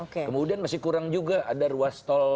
kemudian masih kurang juga ada ruas tol